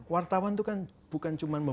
wartawan itu kan bukan cuma